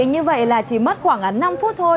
như vậy là chỉ mất khoảng năm phút thôi